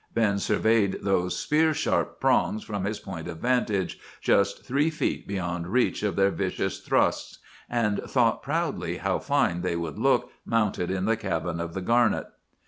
Ben surveyed those spear sharp prongs from his point of vantage, just three feet beyond reach of their vicious thrusts, and thought proudly how fine they would look mounted in the cabin of the Garnet.